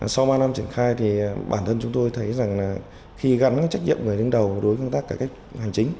sau ba năm triển khai thì bản thân chúng tôi thấy rằng là khi gắn trách nhiệm người đứng đầu đối với công tác cải cách hành chính